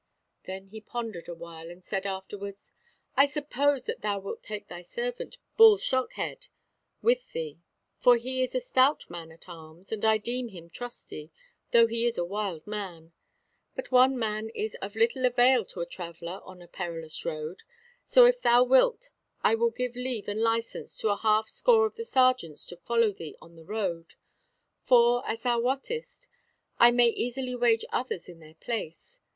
Then he pondered a while and said afterwards: "I suppose that thou wilt take thy servant Bull Shockhead with thee, for he is a stout man at arms, and I deem him trusty, though he be a wild man. But one man is of little avail to a traveller on a perilous road, so if thou wilt I will give leave and license to a half score of our sergeants to follow thee on the road; for, as thou wottest, I may easily wage others in their place.